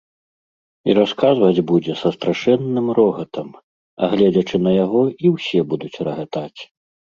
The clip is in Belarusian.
І расказваць будзе са страшэнным рогатам, а гледзячы на яго, і ўсе будуць рагатаць.